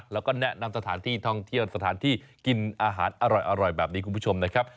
แล้วก็แนะนำสถานที่ท่องเที่ยวสถานที่กินอาหารอร่อยแบบนี้คุณผู้ชมนะครับ